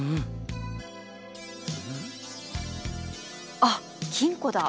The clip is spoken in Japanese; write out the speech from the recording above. あっ金庫だ。